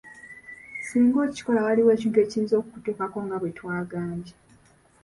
Singa okikola waliwo ekintu ekiyinza okukutuukako nga bwe twagambye.